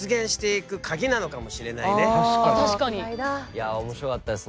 いや面白かったですね。